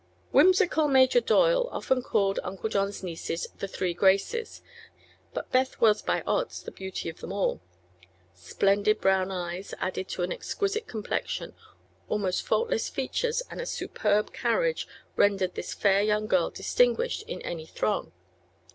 Whimsical Major Doyle often called Uncle John's nieces "the Three Graces"; but Beth was by odds the beauty of them all. Splendid brown eyes, added to an exquisite complexion, almost faultless features and a superb carriage, rendered this fair young girl distinguished in any throng.